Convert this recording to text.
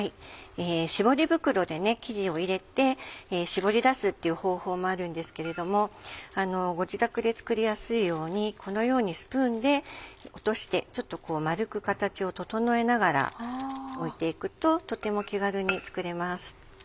絞り袋で生地を入れて絞り出すっていう方法もあるんですけれどもご自宅で作りやすいようにこのようにスプーンで落としてちょっと丸く形を整えながら置いていくととても気軽に作れます。